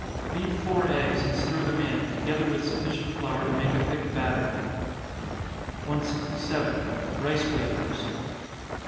Beat four eggs, and stir them in, together with sufficient flour to make a thick batter. 167. _Rice Wafers.